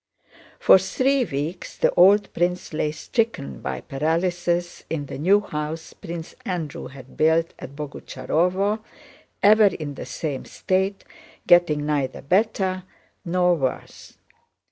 For three weeks the old prince lay stricken by paralysis in the new house Prince Andrew had built at Boguchárovo, ever in the same state, getting neither better nor worse.